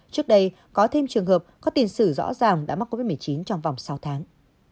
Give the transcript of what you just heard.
trước đây có thêm trường hợp có tiền sử rõ ràng đã mắc covid một mươi chín trong vòng sáu tháng